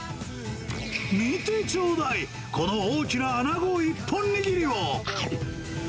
見てちょうだい、この大きなアナゴ一本握りを。